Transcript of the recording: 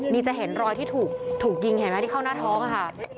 นี่จะเห็นรอยที่ถูกยิงเห็นไหมที่เข้าหน้าท้องอะค่ะ